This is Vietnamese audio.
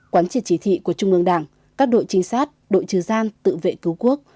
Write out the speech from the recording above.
quán triệt chỉ thị của trung ương đảng các đội trinh sát đội trừ gian tự vệ cứu quốc